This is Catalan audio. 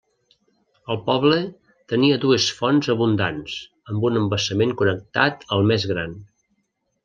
El poble tenia dues fonts abundants, amb un embassament connectat al més gran.